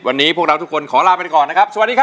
วันนี้พวกเราทุกคนขอลาไปก่อนนะครับสวัสดีครับ